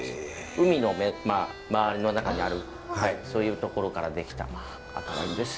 海の周りの中にあるそういう所から出来た赤ワインです。